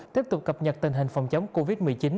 tiếp tục cập nhật tình hình phòng chống covid một mươi chín